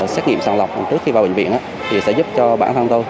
xét nghiệm sàng lọc trước khi vào bệnh viện thì sẽ giúp cho bản thân tôi